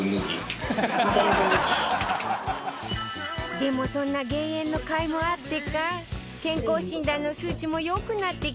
でもそんな減塩のかいもあってか健康診断の数値も良くなってきたんだって